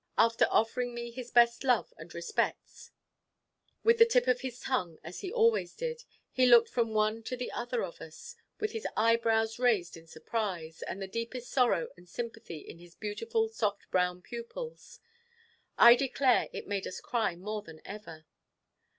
After offering me his best love and respects, with the tip of his tongue, as he always did, he looked from one to the other of us, with his eyebrows raised in surprise, and the deepest sorrow and sympathy in his beautiful soft brown pupils. I declare it made us cry more than ever.